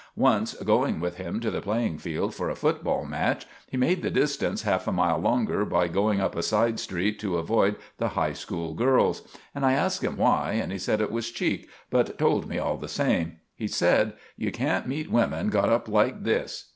Once, going with him to the playing field for a football match, he made the distance half a mile longer by going up a side street to avoid the high school girls; and I asked him why, and he said it was cheek, but told me all the same. He said, "You can't meet women got up like this."